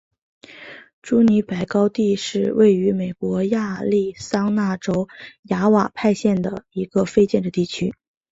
朱尼珀高地是位于美国亚利桑那州亚瓦派县的一个非建制地区。